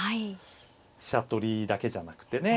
飛車取りだけじゃなくてね。